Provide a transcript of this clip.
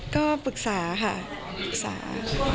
ก็ปรึกษาค่ะปรึกษา